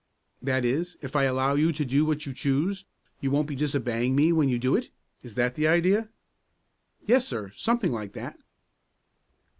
"That is, if I allow you to do what you choose, you won't be disobeying me when you do it? Is that the idea?" "Yes, sir, something like that."